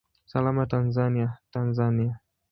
Salama Tanzania, Tanzania!